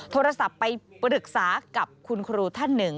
โทรศัพท์ไปปรึกษากับคุณครูท่านหนึ่ง